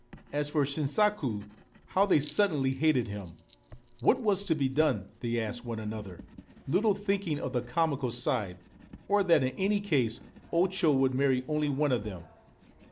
As for Shinsaku, how they suddenly hated him ! What was to be done ? they asked one another, little thinking of the comical side, or that in any case O Cho could marry only one of them.